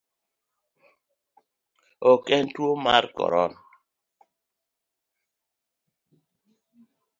Ok en tuo mar corona?